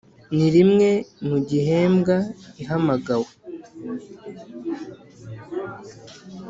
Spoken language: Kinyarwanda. ni rimwe mu gihembwa ihamagawe